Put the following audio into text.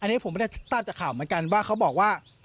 อันนี้ผมไม่ได้ทราบจากข่าวเหมือนกันว่าเขาบอกว่า